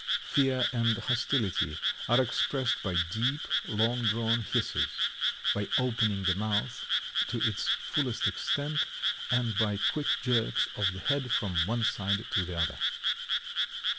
Fear and hostility are expressed by deep, long drawn hisses; by opening the mouth to its fullest extent and by quick jerks of the head from one side to the other.